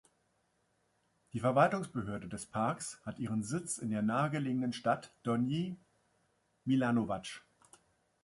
Die Verwaltungsbehörde des Parks hat ihren Sitz in der nahegelegenen Stadt Donji Milanovac.